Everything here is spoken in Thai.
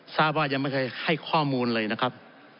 ทราบว่ายังไม่เคยให้ข้อมูลเลยนะครับ